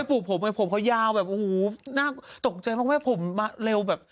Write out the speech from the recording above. ปลูกผมเขายาวแบบโอ้โหน่าตกใจมากแม่ผมมาเร็วแบบ